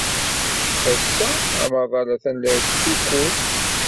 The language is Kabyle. Ass-a, amaḍal atan la yettdukkul.